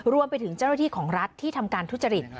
รวมไปถึงเจ้าหน้าที่ของรัฐที่ทำการทุจริต